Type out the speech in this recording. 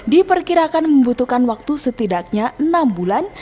diperkirakan membutuhkan waktu setidaknya enam bulan